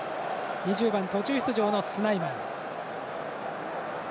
２０番、途中出場のスナイマン。